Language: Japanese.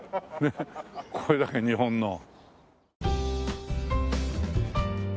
これだけ日本の。